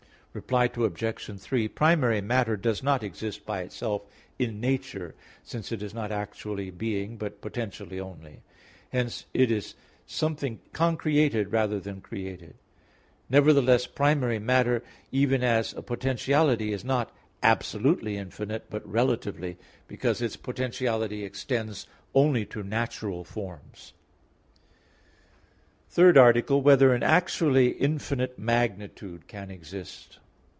Reply Obj. 3: Primary matter does not exist by itself in nature, since it is not actually being, but potentially only; hence it is something concreated rather than created. Nevertheless, primary matter even as a potentiality is not absolutely infinite, but relatively, because its potentiality extends only to natural forms. _______________________ THIRD ARTICLE [I, Q. 7, Art. 3] Whether an Actually Infinite Magnitude Can Exist?